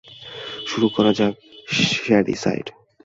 শুরু করা যাক শ্যাডিসাইড!